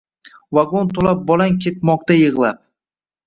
Vagon to’la bolang ketmoqda yig’lab